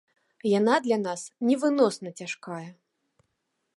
Яна для нас невыносна цяжкая.